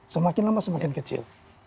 semakin lama semakin kecil